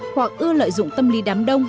hoặc ưa lợi dụng tâm lý đám đông